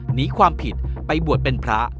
หนีความผิดไปบวชเป็นพระ